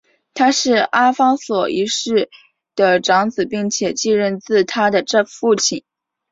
他是阿方索一世的长子并且继任自他的父亲。